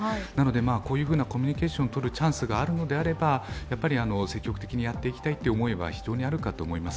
こういうふうなコミュニケーションをとるチャンスがあるのであれば積極的にやっていきたいという人は非常にあるかと思います。